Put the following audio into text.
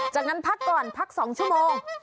จากนั้นพักก่อนพัก๒ชั่วโมง